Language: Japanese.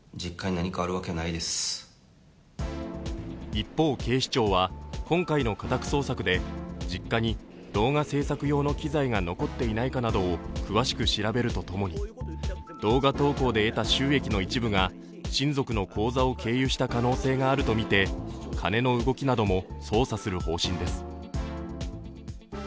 一方、警視庁は今回の家宅捜索で実家に動画制作用の機材が残っていないかなどを詳しく調べるとともに動画投稿で得た収益の一部が親族の口座を経由した可能性があるとみて金の動きなども捜査する方針です。